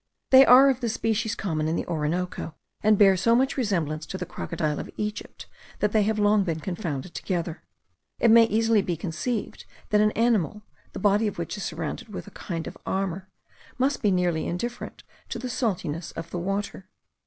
They are of the species common in the Orinoco, and bear so much resemblance to the crocodile of Egypt, that they have long been confounded together. It may easily be conceived that an animal, the body of which is surrounded with a kind of armour, must be nearly indifferent to the saltness of the water.